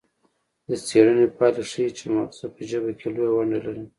د څیړنې پایله ښيي چې مغزه په ژبه کې لویه ونډه لري